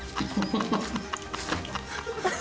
ハハハハ！